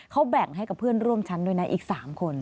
เขาแบ่งให้กับเพื่อนร่วมชั้นด้วยนะอีก๓คน